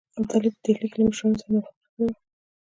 ابدالي په ډهلي کې له مشرانو سره موافقه کړې وه.